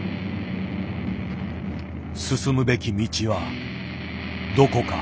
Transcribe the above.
進むべき道はどこか。